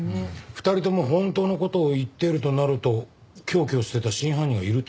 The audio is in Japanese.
２人とも本当の事を言っているとなると凶器を捨てた真犯人がいるって事ですか？